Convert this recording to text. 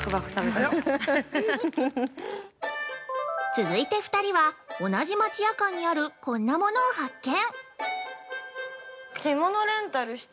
◆続いて２人は同じ町屋館にあるこんなものを発見。